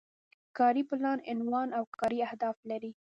کاري پلان عنوان او کاري اهداف لري.